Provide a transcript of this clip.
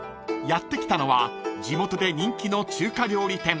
［やって来たのは地元で人気の中華料理店］